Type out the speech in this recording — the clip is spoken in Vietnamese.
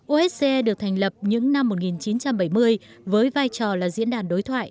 osce được thành lập những năm một nghìn chín trăm bảy mươi với vai trò là diễn đàn đối thoại